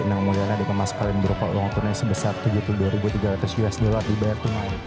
yang memudaranya dengan mas kalian berupaya uang tunai sebesar tujuh puluh dua tiga ratus usd dibayar tunggal